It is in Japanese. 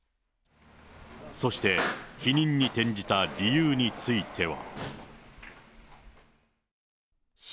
そして否認に転じた理由については。